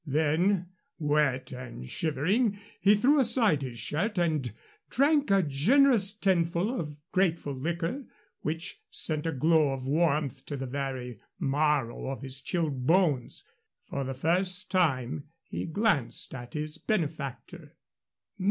Then, wet and shivering, he threw aside his shirt and drank a generous tinful of grateful liquor, which sent a glow of warmth to the very marrow of his chilled bones. For the first time he glanced at his benefactor.